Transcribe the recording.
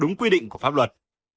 đúng quy định của pháp luật